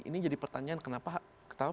ini jadi pertanyaan kenapa ketahuan